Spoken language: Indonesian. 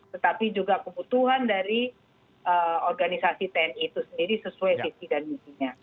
tetapi juga kebutuhan dari organisasi tni itu sendiri sesuai visi dan misinya